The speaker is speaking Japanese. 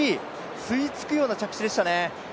吸い付くような着地でしたね。